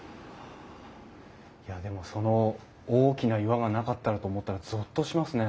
いやでもその大きな岩がなかったらと思ったらゾッとしますね。